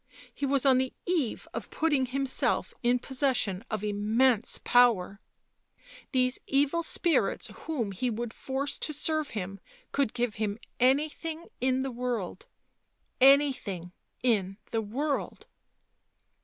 He was on the eve of putting himself in possession of immense power ; these evil spirits whom he would force to serve him could give him anything in the world — anything in the world